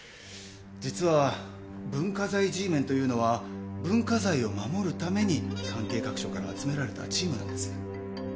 実は文化財Ｇメンというのは文化財を守るために関係各所から集められたチームなんです。